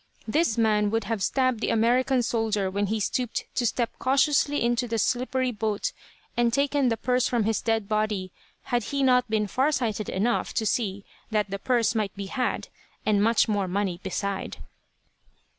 This man would have stabbed the American soldier when he stooped to step cautiously into the slippery boat, and taken the purse from his dead body, had he not been far sighted enough to see that the purse might be had, and much more money beside.